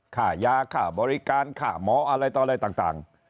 ค่ายาค่าบริการค่าหมออะไรต่ออะไรต่าง